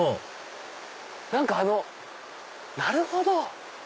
何かあのなるほど！